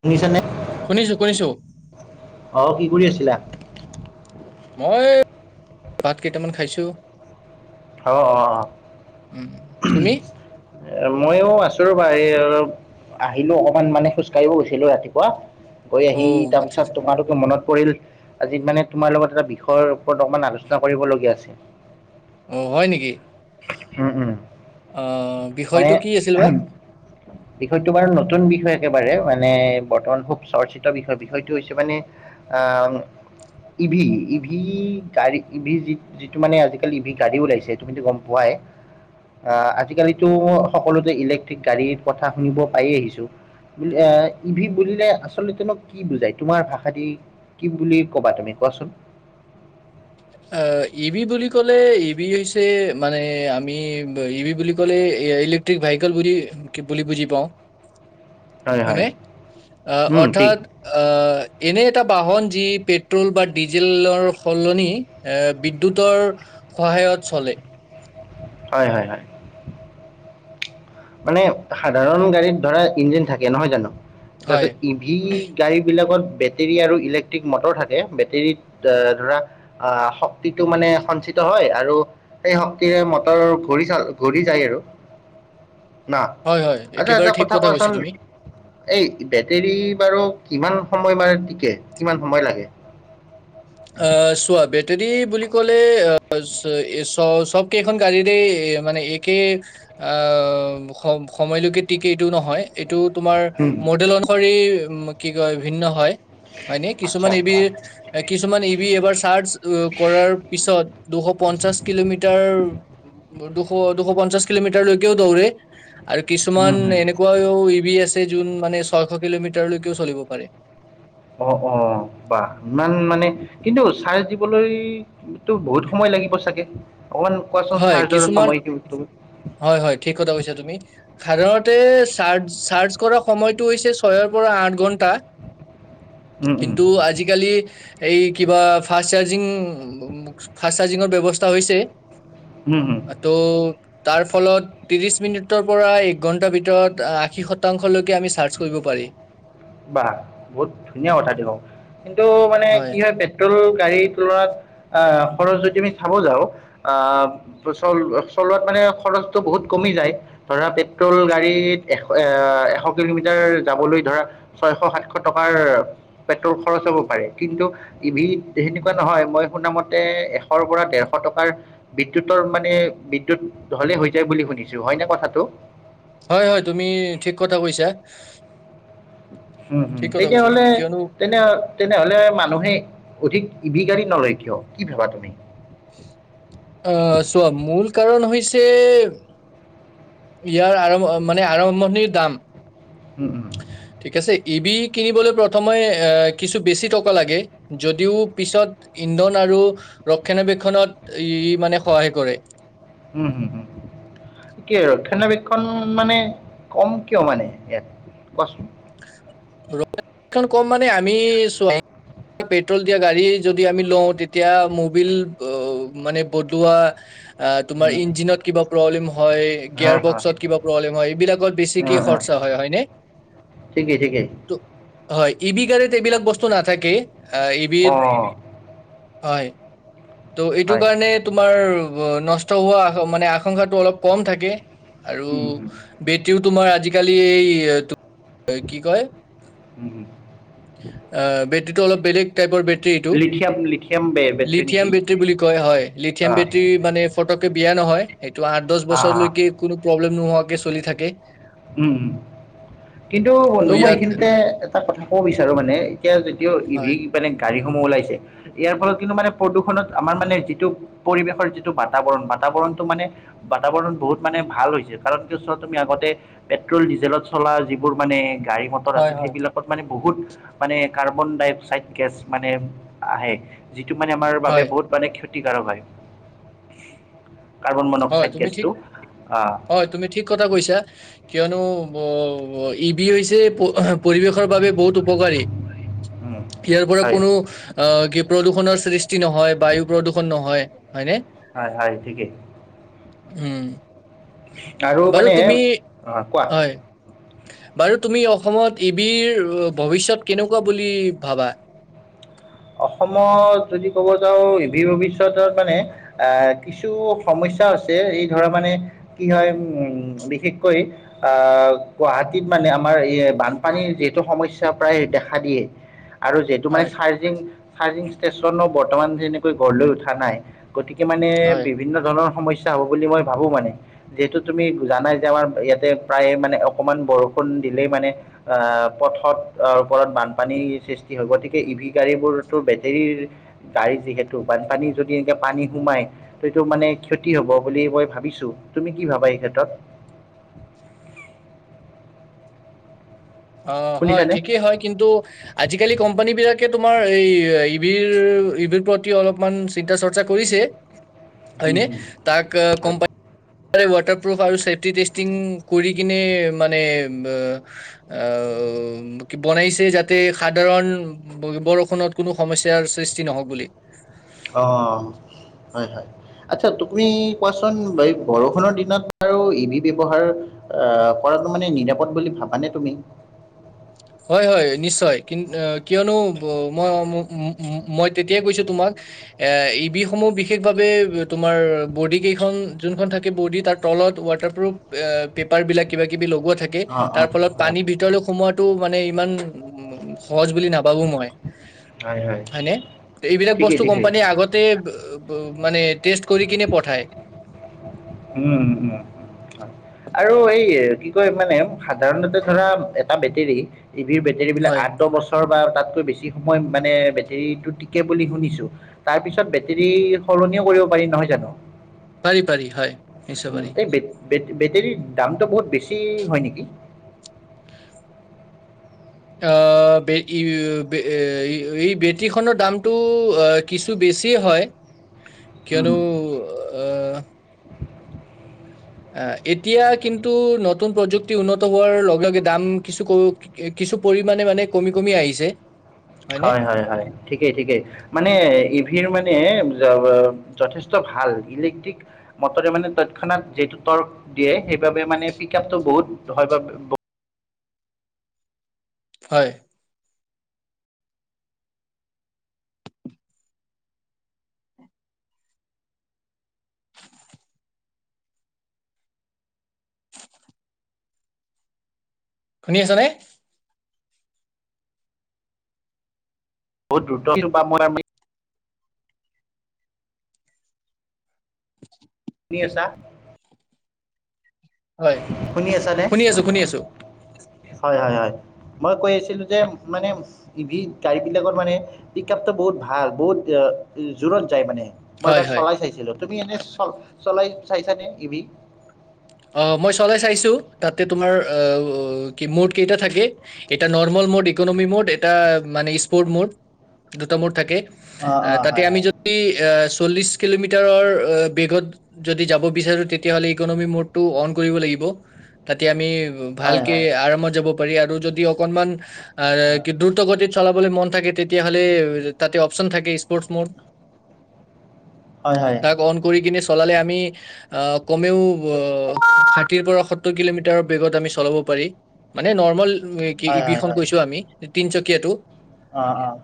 শুনিছ নে শুনিছো-শুনিছো। অ, কি কৰি আছিলা? মই, ভাত কেইটামান খাইছো। অ-অ-অ উম তুমি ময়ো আছো ৰ'বা এই অলপ আহিলো অকমান মানে খোজ কঢ়িব গৈছিলো ৰাতিপুৱা গৈ অ আহি আচ্ছা আচ্ছা তাৰপিছত তোমালৈকে মনত পৰিল। আজি মানে তোমাৰ লগত এটা বিষয়ৰ ওপৰত অকমান আলোচনা কৰিবলগীয়া আছিল। অ, হয় নেকি? উম-উম। অ মানে অ [inaudible] বিষয়টো বাৰু নতুন বিষয় একেবাৰে মানে বৰ্তমান খুব চৰ্চিত বিষয়টো হৈছে মানে আহ ইভি, ইভি গাড়ী ইভি যি যিটো মানে আজিকালি ইভি গাড়ী ওলাইছে তুমিতো গম পোৱাই। আহ, আজিকালিতো সকলোতে ইলেক্ট্ৰিক গাড়ীৰ কথা শুনিব পাই আহিছো। এ, ইভি বুলিলে আচলতে তোমাক কি বুজাই তোমাৰ ভাষা দি কি বুলি ক'বা, তুমি কোৱাচোন? অ, ইভি বুলি ক'লে ইভি হৈছে মানে আমি ইভি বুলি ক'লে ইলেক ভেহিকেল বুলি-বুলি বুজি পাওঁ। হয় হয় হয়নে অ উম ঠিক অৰ্থাৎ আহ এনে এটা বাহন যি পেট্ৰল বা ডিজেলৰ সলনি এ বিদ্যুতৰ সহায়ত চলে। হয় হয় হয় মানে সাধাৰণ গাড়ীত ধৰা ইঞ্জিন থাকে নহয় জানো হয় তাৰপিছত সি গাড়ী বিলাকত বেটেৰী আৰু ইলেক্ট্ৰিক মটৰ থাকে বেটেৰীত ধৰা আহ শক্তিটো মানে সঞ্চিত হয় আৰু সেই শক্তিৰে মটৰ ঘূৰি ঘূৰি যায় আৰু না হয় হয় আচ্ছা একেবাৰে এটা ঠিক কথা কৈছা কোৱাচোন। তুমি এই বেটেৰী বাৰু কিমান সময় মান টিকে কিমান সময় লাগে। অ চোৱা বেটাৰী বুলি ক'লে অ চ চবকেইখন গাড়ীৰেই মানে একেই আহ সম সময়লৈকে টিকে এইটো নহয়। এইটো তোমাৰ হুম, মডেল অনুসৰি উম কি কয় ভিন্ন হয়। হয় নে আচ্ছা কিছুমান আচ্ছা। ইভিৰ কিছুমান ইভি এবাৰ চাৰ্জ কৰাৰ পিছত দুশ পঞ্চাশ কিলোমিটাৰ উম, দুশ দুশ পঞ্চাশ কিলোমিটাৰলৈকেও দৌৰে। আৰু উম কিছুমান হুম এনেকুৱাও ইভি আছে যোন মানে ছয়শ কিলোমিটাৰলৈকেও চলিব পাৰে। অ অ বাহ ইমান মানে কিন্তু চাৰ্জ দিবলৈ কিন্তু বহুত সময় লাগিব চাগে অকমান কোৱাচোন হয় চাৰ্জৰ কিছুমান সময় কিমান? হয় হয় ঠিক কথা কৈছা তুমি। সাধাৰণতে চাৰ্জ চাৰ্জ কৰা সময়টো হৈছে ছয়ৰ পৰা আঠ ঘণ্টা। উম উম কিন্তু আজিকালি এই কিবা ফাষ্ট চাৰ্জিং ফাষ্ট চাৰ্জিঙৰ ব্যৱস্থা হৈছে। হুম হুম ত' তাৰ ফলত ত্ৰিশ মিনিটৰ পৰা এক ঘন্টাৰ ভিতৰত আশী শতাংশলৈকে আমি চাৰ্জ কৰিব পাৰি। বাহ বহুত ধুনীয়া কথা দেখোন কিন্তু মানে কি হয় পেট্ৰল গাড়ীত লৰাত আহ খৰচ যদি আমি চাব যাওঁ আহ চল চলোৱাত মানে খৰচটো বহুত কমি যায়। ধৰা পেট্ৰল গাড়ীত এশ এ এশ কিলোমিটাৰ যাবলৈ ধৰা ছয়শ সাতশ টকাৰ পেট্ৰল খৰচ হ'ব পাৰে কিন্তু ইভিত সেনেকুৱা নহয় মই শুনা মতে এশৰ পৰা ডেৰশ টকাৰ বিদ্যুতৰ মানে বিদ্যুত হ'লেই হৈ যায় বুলি শুনিছোঁ হয় নে কথাটো? হয় হয় তুমি ঠিক কথা কৈছা। হম হম ঠিক কথা তেতিয়া কৈছা হ'লে তুমি কিয়নো তেনে তেনেহলে মানুহে অধিক ইভি গাড়ী নলয় কিয় কি ভাবা তুমি? আহ চোৱা মূল কাৰণ হৈছে ইয়াৰ আৰম্ভ মানে আৰম্ভণিৰ দাম উম উম ঠিক আছে ইভি কিনিবলৈ প্ৰথমে এ কিছু বেছি টকা লাগে। যদিও পিছত ইন্ধন আৰু ৰক্ষণাবেক্ষণত ই মানে সহায় কৰে। উম হুম উম কি ৰক্ষণাবেক্ষণ মানে কম কিয় মানে ইয়াত কোৱাচোন। ৰক্ষনাবেক্ষন কম মানে আমি চোৱা। পেট্ৰল দিয়া গাড়ী যদি আমি লঁও তেতিয়া মবিল মানে বদলোৱা। আ তোমাৰ, উম, ইঞ্জিনত কিবা প্ৰব্লেম হয়, হা, গিয়াৰ হা, বক্সত কিবা প্ৰব্লেম হয়, এইবিলাকত বেছিকে স্পৰ্টছৰ হয়, হয়নে? ঠিকেই-ঠিকেই। হয়, ই ভি গাড়ত এইবিলাক বস্তু নাথাকে, আহ ই ভি ত অ' হয়। ত' এইটো হয়। কাৰণে তোমাৰ নষ্ট হোৱা মানে আশংকা টো, অলপ কম থাকে। আৰু উম, উম, বেটেৰীও তোমাৰ আজিকালি এইটো, অ কি কয়, উম, উম, আহ বেটেৰীটো অলপ বেলেগ। টাইপৰ বেটেৰী এইটো। লিথিয়াম লিথিয়াম বে বেটৰী লিথিয়াম নেকি? বে টেৰী বুলি কয় হয়। লিথিয়াম অ' বেটাৰী মানে, ফটককে বেয়া নহয়। সেইটো আঠ দশ অ' বছৰ অ' লৈকে, কোনো প্ৰব্লেম নোহোৱাকে চলি থাকে। উম উম, কিন্তু ত' বন্ধু মই ইয়াত এইখিনিতে এটা কথা কব বিচাৰো মানে, এতিয়া যিটো ই ভি হয়, মানে গাড়ীসমূহ ওলাইছে। ইয়াৰ ফলত কিন্তু মানে প্ৰদূষণত আমাৰ মানে যিটো পৰিৱেশৰ যিটো বাতাবৰণ, বাতাবৰণটো মানে বাতাবৰণ বহুত মানে ভাল হৈছে। কাৰণটো চোৱা তুমি আগতে, পেট্ৰল ডিজেলত চলা যিবোৰ মানে, গাড়ী মটৰ হয়, আছিল, হয়, সেইবিলা কত মানে বহুত মানে কাৰ্বন ডাই অক্সাইড গেছ মানে আহে। যিটো মানে আমাৰ বাবে হয়, বহুত মানে ক্ষতিকাৰক হয়। কাৰ্বন হয়, মনক্সাইড তুমি ঠিক গেছটো। আহ হয়, তুমি ঠিক কথা কৈছা। কিয়নো, ই ভি হৈছে পৰিৱেশৰ বাবে বহুত উপকাৰী। উম ইয়াৰ পৰা হয় কোনো আহ কি প্ৰদূষণৰ সৃষ্টি নহয়। বায়ু প্ৰদূষণ নহয়, হয়নে? হয়-হয় ঠিকেই। উম, আৰু বাৰু মানে তুমি, অ কোৱা হয়। বাৰু তুমি অসমত ই ভিৰ ভৱিষ্যত কেনেকুৱা বুলি ভাবা? অসমত যদি ক'ব যাওঁ ই ভিৰ ভৱিষ্যতৰ মানে, আহ, কিছু সমস্যা আছে, এই ধৰা মানে কি হয়, উম, বিশেষকৈ আহ, গুৱাহাটীত মানে আমাৰ এই বানপানীৰ যিহেতু সমস্যা প্ৰায় দেখা দিয়ে। [unintelligible] আৰু যিহেতু মানে হয় চাৰ্জিং, চাৰ্জিং ষ্টেচনো বৰ্তমান যেনেকৈ গড়লৈ উঠা নাই। গতিকে মানে, হয় বিভিন্ন ধৰণৰ সমস্যা হ'ব বুলি মই ভাবো মানে। যিহেতু তুমি জানাই যে, আমাৰ ইয়াতে প্ৰায় মানে অকমান বৰষুণ দিলেই মানে, আহ, পথত ওপৰত বানপানীৰ সৃষ্টি হব। গতিকে ই ভি, গাড়ী বোৰতো বেটেৰীৰ, গাড়ী যিহেতু বানপানী যদি এনেকে পানী সোমাই। ত' এইটো মানে ক্ষতি হব বুলি মই ভাবিছো। তুমি কি ভাবা এই ক্ষেত্ৰত? অ', হয়, শুনিছানে ঠিকেই হয়। কিন্তু আজিকালি কোম্পানী বিলাকে তোমাৰ এই ই ভিৰ, ই ভিৰ প্ৰতি অলপমান চিন্তা চৰ্চা কৰিছে, হয় উম, নে? হুম, তাক হয় কোম্পান তাৰে ৱাটাৰপ্ৰুফ আৰু ছেফটি টেষ্টিং কৰি কিনে মানে, অ ওম কি বনাইছে যাতে সাধাৰণ বৰষুণত কোনো সমস্যাৰ সৃষ্টি নহওক বুলি। অ, হয় হয়। আচ্ছা, তুমি কোৱাচোন, এই বৰষুণৰ দিনত বাৰু ই ভি ব্যৱহাৰ আহ, কৰাটো মানে নিৰাপদ বুলি ভাবানে তুমি? হয়-হয় নিশ্চয়, কিন আ কিয়নো ব মই ম উম উম উম মই তেতিয়াই কৈছো তোমাক এই ই বিসমূহ বিশেষভাৱে তোমাৰ বডি কেইখন যোনখন থাকে বডি তাত তলত ৱাটাৰপ্ৰুফ এ আ পেপাৰবিলাক কিবা কিবি লগোৱা থাকে অঁ অঁ তাৰ ফলত হয় পানী ভিতৰলৈ সোমোৱাটো মানে ইমান উ সহজ বুলি নাভাবো মই, হয় হয় হয়নে এইবিলাক ঠিকেই বস্তু ঠিকেই কোম্পানীৰ আগত তে ব ব মানে টেষ্ট কৰি কিনে পঠায়। উম উম। আৰু এই কি কয় মানে সাধাৰণতে ধৰা এটা বেটেৰী টিভিৰ বেটেৰীবিলাক হয় আঠ, দহ বছৰ বা তাতকৈ বেছি সময় মানে বেটেৰীটো টিকে বুলি শুনিছো। তাৰ পিছত বেটেৰী সলনিও কৰিব পাৰি নহয় জানো? পাৰি পাৰি হয়। নিশ্চয় হোম পাৰি। এই বেট বেট বেটেৰীৰ দামটো বহুত বেছি হয় নেকি? আ [unintelligible] বেটৰীখনৰ দামটো আ কিছু বেছি হয় [inaudible] কিয়নো আ' আ এতিয়া কিন্তু নতুন প্ৰযুক্তি উন্নত হোৱাৰ লগে লগে দাম কিছু কো কে কিছু পৰিমাণে মানে কমি কমি আহিছে। হয়নে? হয় হয় হয়। ঠিকেই ঠিকেই মানে ইভিৰ মানে [unintelligible] যথেষ্ট ভাল ইলেক্ট্ৰিক মটৰে মানে তৎক্ষণাত যিটো তৰ্ক দিয়ে সেইবাবে মানে পিক আপটো বহুত হয় বা ব হয়। শুনি আছ নে? [unintelligible] নি আছা? হয় শুনি আছ নে? শুনি আছো শুনি আছো হয় হয় হয়। মই কৈ আছিলো যে মানে ইভি গাড়ীবিলাকৰ মানে পিক আপটো বহুত ভাল, বহুত আ ই জোৰত যায় মানে। মই হয় এবাৰ হয়। চলাই চাইছিলো, তুমি এনে চ চলাই চাইছানে ই বি? অ' মই চলাই চাইছো তাতে তোমাৰ অ অ' কি মুড কেইটা থাকে? এটা নৰ্মেল মুড ইকনমি মুড এটা মানে স্পৰ্ট মুড দুটা মূড থাকে অ আ অ তাতে হয় আমি হয় য ই আ চল্লিশ কিলোমিটাৰৰ অ বেগত যদি যাব বিচাৰো তেতিয়াহ'লে ইকনমি মৰ্ড টো অন কৰিব লাগিব তাতে আমি হয় হয় ভালকে হয় আৰামত যাব পাৰি আৰু যদি অকনমান [unintelligible] হয় কিন্তু ত গতিত চলাবলৈ মন থাকে তেতিয়াহ'লে তাতে অপচন থাকে স্পৰ্টচ মৰ্ড [inaudible] তাক অন কৰি কিনে চলালে আমি আ কমেও অ ষাঠি পৰা সত্তৰ কিলোমিটাৰৰ বেগত আমি চলাব পাৰি মানে নৰ্মল এ কি হয় ই হয় বিখন কৈছোঁ আমি এ তিনচকীয়াটো। অ' অ',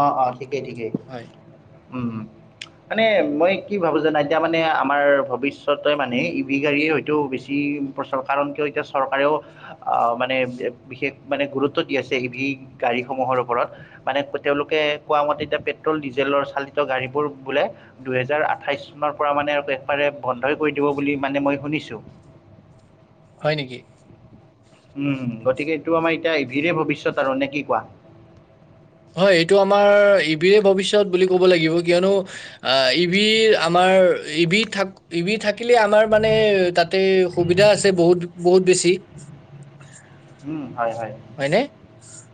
অ' অ' ঠিকেই ঠিকেই, হয় উম উম। মানে মই কি ভাবো জানা এতিয়া মানে আমাৰ ভৱিষ্যতে মানে ই বি গাড়ীয়ে হয়তো বেছি [unintelligible] কাৰণ কিয় এতিয়া চৰকাৰেও আ' মানে বি বিশেষ মানে গুৰুত্ব দি আছে ই বি গাড়ীসমূহৰ ওপৰত। মানে তেওঁলোকে কোৱা মতে, এতিয়া পেট্ৰ'ল-ডিজেলৰ চালিত গাড়ীবোৰ বোলে দুহেজাৰ আঠাইশ চনৰ পৰা, মানে একবাৰে, বন্ধই কৰি দিব বুলি মানে মই শুনিছোঁ। হয় নেকি। উম, গতিকে এইটো আমাৰ এতিয়া, ই ভিৰে ভৱিষ্যত আৰু, নে কি কোৱা। হয়, এইটো আমাৰ ই ভিৰে ভৱিষ্যত বুলি ক'ব লাগিব। কিয়নো আ, ই ভিৰ আমাৰ, ই ভি থাক ই ভি থাকিলে আমাৰ মানে, তাতেই সুবিধা আছে, বহুত বহুত বেছি। উম, হয়, হয়, হয়নে?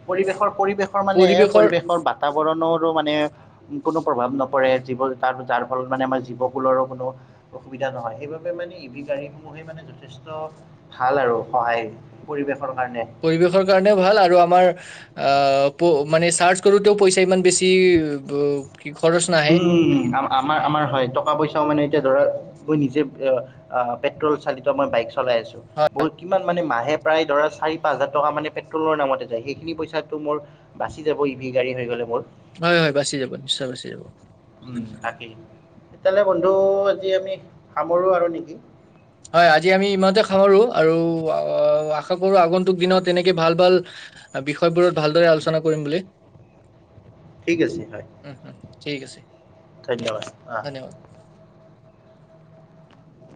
পৰিৱেশৰ, পৰিৱেশৰ মানে, পৰিৱেশৰ বা বাতাবৰণৰো মানে কোনো প্ৰভাৱ নপৰে, জীৱ তাৰ তাৰফলত মানে, আমাৰ জীৱকুলৰো কোনো অসুবিধা নহয়। সেইবাবে মানে ই ভি গাড়ীসমূহে মানে যথেষ্ট ভাল আৰু সহায়, পৰিৱেশৰ কাৰণে। পৰিৱেশৰ কাৰণেও ভাল, আৰু আমাৰ প মানে চাৰ্চ কৰোঁতেও, পইচা ইমান বেছি কি খৰচ নাই। উম, উম, উম, আমাৰ আমাৰ, আমাৰ হয়, টকা-পইচাও মানে এতিয়া ধৰা, মই নিজে পেট্ৰ'ল চালিত মই বাইক চলাই আছো। বহুত কিমান মানে, মাহে প্ৰায় ধৰা, চাৰি, পাঁচ হাজাৰ টকা মানে পেট্ৰল'ৰ নামতে যায়। সেইখিনি পইচাটো মোৰ বাচি যাব, ই ভি গাড়ী হৈ গ'লে মোৰ। হয়, হয়, বাচি যাব, নিশ্চয় বাচি যাব। উম, তাকেই। তেতিয়ালে বন্ধু আজি আমি, সামৰো আৰু নেকি। হয়, আজি আমি ইমানতে সামৰো, আৰু আ আশা কৰো, আগন্তুক দিনত তেনেকে ভাল, ভাল বিষয়বোৰত ভালদৰে আলোচনা কৰিম বুলি। ঠিক আছে, হয়। উম, উম, ঠিক আছে। ধন্যবাদ, অ'। ধন্যবাদ